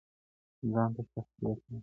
ځانته شخصیت لري